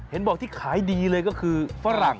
เห็นบอกที่ขายดีเลยก็คือฝรั่ง